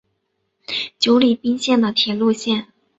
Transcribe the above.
久里滨线的铁路线。